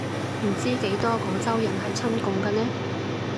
唔知幾多廣州人係親共嘅呢